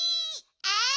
あい！